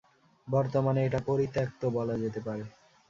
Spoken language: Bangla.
বর্তমানে, এটা পরিত্যক্ত বলা যেতে পারে।